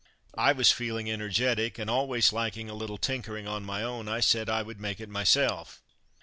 I was feeling energetic, and always liking a little tinkering on my own, I said I would make it myself.